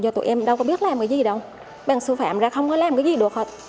do tụi em đâu có biết làm cái gì đâu bằng sư phạm ra không có làm cái gì được